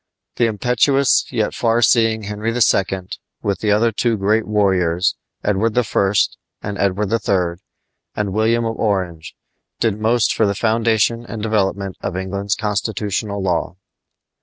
The impetuous yet far seeing Henry II., with the other two great warriors, Edward I. and Edward III., and William of Orange, did most for the foundation and development of England's constitutional law.